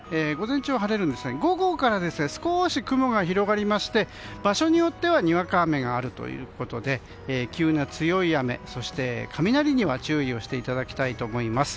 午後から少し雲が広がりまして場所によってはにわか雨があるということで急な強い雨、そして雷には注意をしていただきたいと思います。